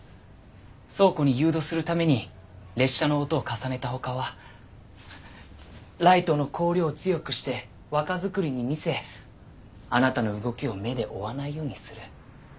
倉庫に誘導するために列車の音を重ねた他はライトの光量を強くして若作りに見せあなたの動きを目で追わないようにする。